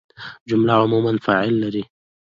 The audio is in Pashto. جمله عموماً فعل لري.